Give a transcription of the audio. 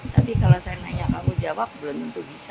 tapi kalau saya nanya kamu jawab belum tentu bisa